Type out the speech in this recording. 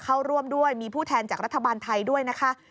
เข้าร่วมด้วยมีผู้แทนจากรัฐบาลไทยด้วยนะคะ